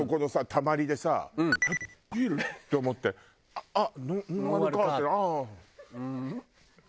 たまりでさえっビール？って思ってあっノンアルかああ。